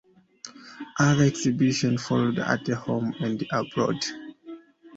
Other exhibitions followed at home and abroad.